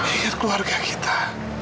ingat keluarga kita